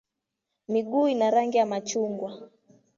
Miguu ina rangi ya machungwa.